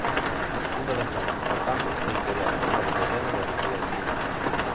Unhas das máis importantes ten que ver co novo modelo de residencias.